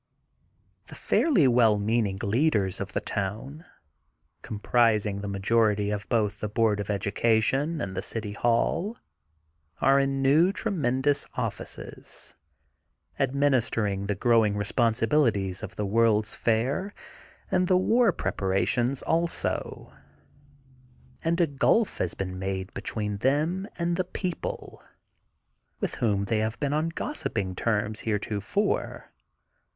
The fairly well meaning leaders of the town, comprising the majority of both the Board of Education and the City Hall, are in new tremendous offices, administering the growing responsibilities of the World's Fair and the war preparations also, and a gulf has been made between them and the people with THE GOLDEN BOOK OF SPRINGFIELD 291 whom they have been on gossiping terms here tofore.